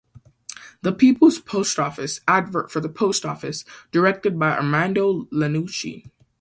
'The People's Post Office' advert for the Post Office, directed by Armando Iannucci.